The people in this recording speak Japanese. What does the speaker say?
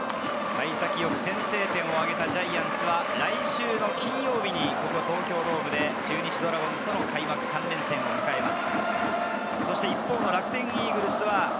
幸先よく先制点を挙げたジャイアンツは、来週金曜日に東京ドームで中日ドラゴンズとの開幕３連戦を迎えます。